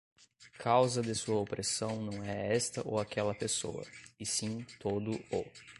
causa de sua opressão não é esta ou aquela pessoa, e sim todo o